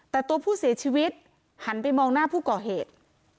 แต่ตัวผู้เสียชีวิตหันไปมองหน้าผู้ก่อเหตุ